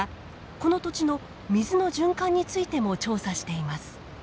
この土地の水の循環についても調査しています。